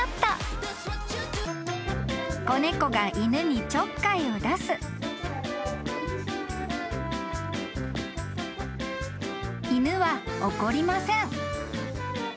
［子猫が犬にちょっかいを出す］［犬は怒りません］